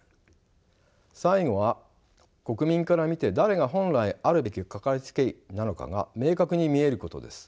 最後は国民から見て誰が本来あるべきかかりつけ医なのかが明確に見えることです。